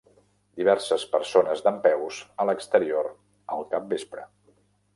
Diverses persones dempeus a l'exterior al capvespre.